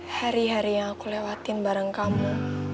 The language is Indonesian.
hari hari yang aku lewatin bareng kamu